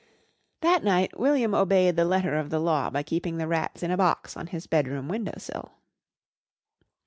That night William obeyed the letter of the law by keeping the rats in a box on his bedroom window sill.